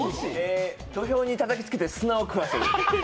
土俵にたたきつけて砂を食わせる。